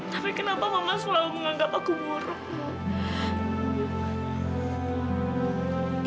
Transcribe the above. tapi kenapa mama selalu menganggap aku buruk